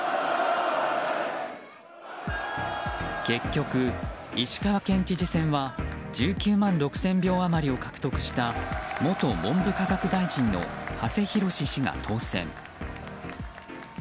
結局、石川県知事選は１９万６０００票余りを獲得した元文部科学大臣の馳浩氏が当選。